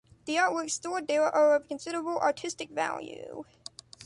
The artworks stored there are of considerable artistic value.